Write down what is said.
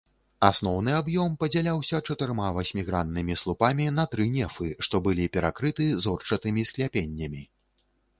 Асноўны аб'ём падзяляўся чатырма васьміграннымі слупамі на тры нефы, што былі перакрыты зорчатымі скляпеннямі.